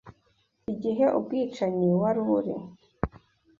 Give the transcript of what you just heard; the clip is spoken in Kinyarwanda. Igihe ubwicanyi wari uri?